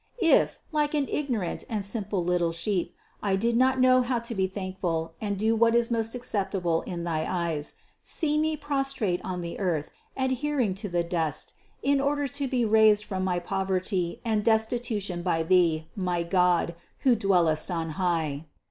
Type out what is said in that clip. If, like an ignorant and THE CONCEPTION 525 simple little sheep, I did not know how to be thankful and do what is most acceptable in thy eyes, see me prostrate on the earth, adhering to the dust, in order to be raised from my poverty and destitution by Thee, my God, who dwellest on high.